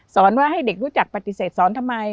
ว่าให้เด็กรู้จักปฏิเสธสอนทำไม